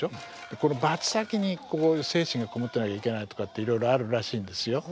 このバチ先にここに精神が籠もってなきゃいけないとかっていろいろあるらしいんですよ。